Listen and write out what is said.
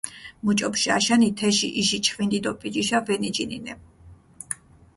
მუჭო ბჟაშანი, თეში იში ჩხვინდი დო პიჯიშა ვენიჯინინე.